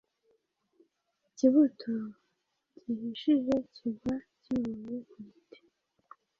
ikibuto gihishije kigwa kivuye ku giti.